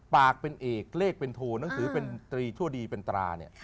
ปากเป็นเอกเลขเป็นโทหนังสือเป็นตรีชั่วดีเป็นตราเนี่ย